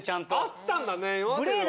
あったんだね。